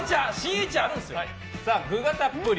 具がたっぷり！